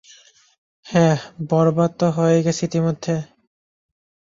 হা, বরবাদ তো হয়েই গেছে ইতিমধ্যে।